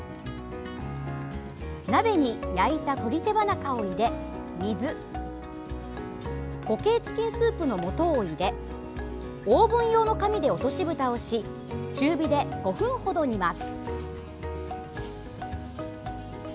鍋に焼いた鶏手羽中を入れ水、固形チキンスープの素を入れオーブン用の紙で落としぶたをし中火で５分ほど煮ます。